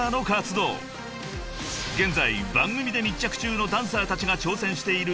［現在番組で密着中のダンサーたちが挑戦している］